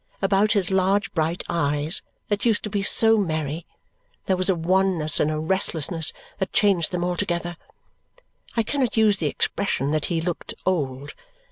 About his large bright eyes that used to be so merry there was a wanness and a restlessness that changed them altogether. I cannot use the expression that he looked old.